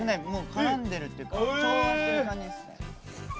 からんでるっていうか調和してる感じですね。